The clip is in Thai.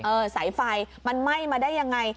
สายไฟมันไหม้มาได้ยังไง